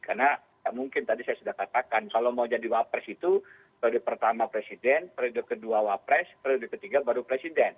karena mungkin tadi saya sudah katakan kalau mau jadi wapres itu periode pertama presiden periode kedua wapres periode ketiga baru presiden